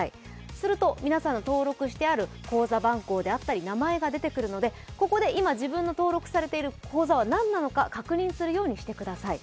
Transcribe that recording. すると皆さんの登録してある口座番号や名前が出てくるのでここで今、自分の登録されている口座は何なのか確認してください。